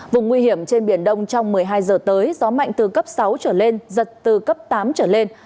vùng nguy hiểm trên biển đông trong một mươi hai giờ tới gió mạnh từ cấp sáu trở lên giật từ cấp tám trở lên